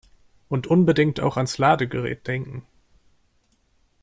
Und unbedingt auch ans Ladegerät denken!